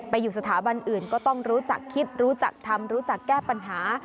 อยู่สถาบันอื่นก็ต้องรู้จักคิดรู้จักทำรู้จักแก้ปัญหา